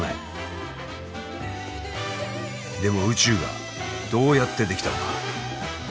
でも宇宙がどうやって出来たのか。